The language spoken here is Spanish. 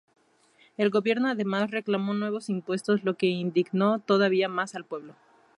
El gobierno además reclamó nuevos impuestos, lo que indignó todavía más al pueblo.